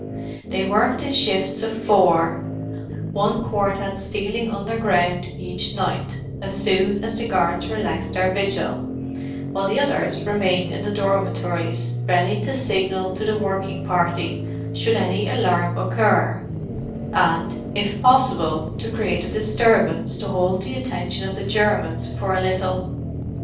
They worked in shifts of four—one quartette stealing underground each night, as soon as the guards relaxed their vigil, while the others remained in the dormitories, ready to signal to the working party, should any alarm occur, and, if possible, to create a disturbance to hold the attention of the Germans for a little.